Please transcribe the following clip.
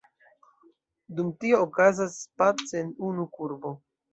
Dum tio okazas space unu kurbo.